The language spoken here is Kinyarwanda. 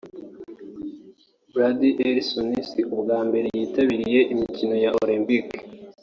Brady Ellison si ubwa mbere yitabiriye imikino ya Olempike